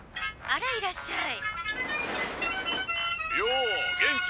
「あらいらっしゃい」。